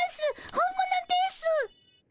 本物です。